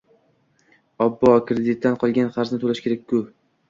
Obbo, kreditdan qolgan qarzini toʻlashi kerak-ku